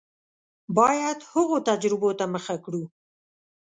باید هغو تجربو ته مخه کړو.